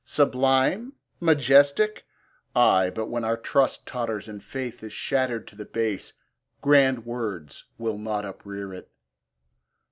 Sublime? majestic? Ay, but when our trust Totters, and faith is shattered to the base, Grand words will not uprear it.